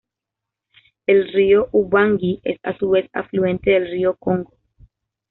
El río Ubangui, es a su vez afluente del Río Congo.